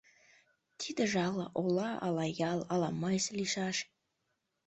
Тидыже ала ола, ала ял, ала мыйс лийшаш.